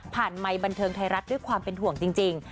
ไมค์บันเทิงไทยรัฐด้วยความเป็นห่วงจริง